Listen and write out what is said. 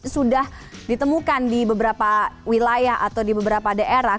sudah ditemukan di beberapa wilayah atau di beberapa daerah